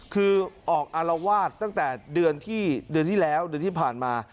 คือออกอารวาสตั้งแต่เดือนที่แล้วเดือนที่ผ่านมา